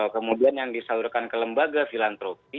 kemudian yang disalurkan ke lembaga filantropi